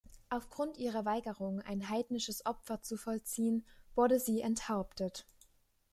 Aufgrund ihrer Weigerung, ein heidnisches Opfer zu vollziehen, wurde sie enthauptet.